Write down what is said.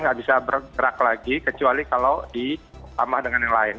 nggak bisa bergerak lagi kecuali kalau ditambah dengan yang lain